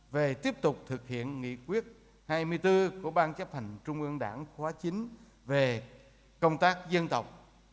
về tiếp tục thực hiện nghị quyết hai mươi bốn của ban chấp hành trung ương đảng khóa chín về công tác dân tộc